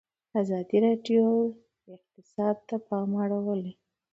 ازادي راډیو د اقتصاد ته پام اړولی.